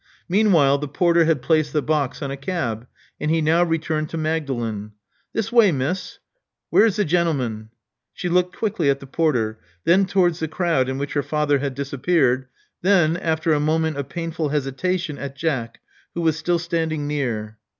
Meanwhile the porter had placed the box on a cab; and he now returned to Magdalen. This way. Miss. W'ere's the gen'lman?" She looked quickly at the porter; then towards the crowd in which her father had disappeared; then, after a moment of painful hesitation, at Jack, who was still standing near.